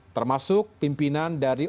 termasuk pimpinan dari